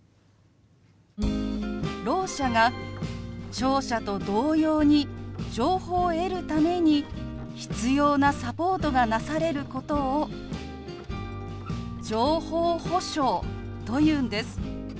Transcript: ろう者が聴者と同様に情報を得るために必要なサポートがなされることを「情報保障」というんです。